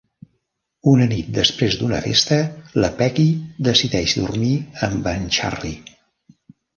Una nit després d'una festa, la Peggy decideix dormir amb en Charlie.